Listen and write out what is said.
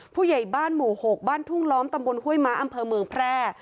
ผู้ใหญ่บ้านหมู่๖บ้านทุ่งล้อมตำบลห้วยม้าอำเภอเมืองแพร่